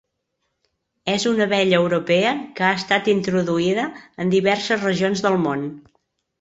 És una abella europea que ha estat introduïda en diverses regions del món.